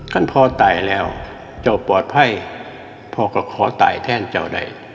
ท่านพ่อตายแล้วเจ้าปลอดภัยพ่อก็ขอตายแทนเจ้าใด